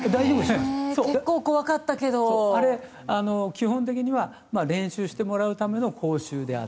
基本的には練習してもらうための講習であって。